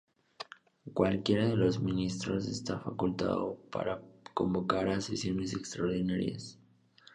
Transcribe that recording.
Cualquiera de los ministros esta facultado para convocar a sesiones extraordinarias.